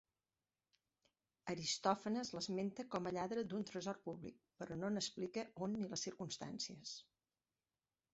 Aristòfanes l'esmenta com a lladre d'un tresor públic, però no explica on ni les circumstàncies.